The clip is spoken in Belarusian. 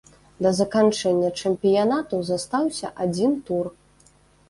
Да заканчэння чэмпіянату застаўся адзін тур.